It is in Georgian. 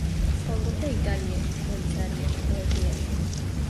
ცხოვრობდა იტალიაში, შვეიცარიაში, ბელგიაში.